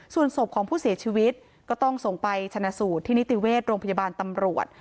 ส่วนศพของผู้เสียชีวิตก็ต้องส่งไปชนะสูตรที่นิติเวชโรงพยาบาลตำรวจ